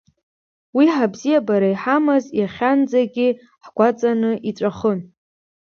Уи ҳабзиабара иҳамаз иахьанӡагьы ҳгәаҵаны иҵәахын.